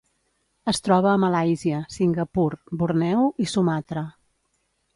Es troba a Malàisia, Singapur, Borneo i Sumatra.